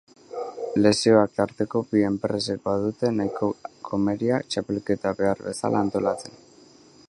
Lesioak tarteko bi enpresek badute nahiko komeria txapelketa behar bezala antolatzen.